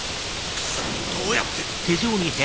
クソどうやって！